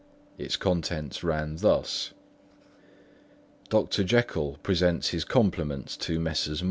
Its contents ran thus: "Dr. Jekyll presents his compliments to Messrs.